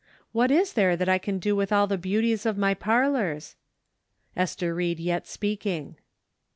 What is there that I can do with all the beauties of my parlors ? Ester Ried Yet Speaking.